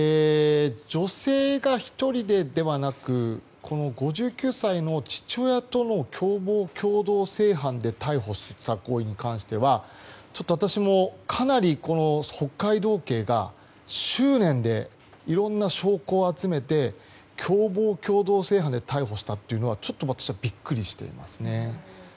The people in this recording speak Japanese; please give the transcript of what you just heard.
女性が１人でではなく５９歳の父親との共謀共同正犯で逮捕ということに関しては私もかなり北海道警が執念でいろんな証拠を集めて共謀共同正犯で逮捕したというのはちょっと私はビックリしています。